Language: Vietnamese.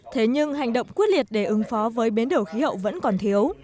thế nhưng hành động quyết liệt để ứng phó với biến đổi khí hậu vẫn còn thiếu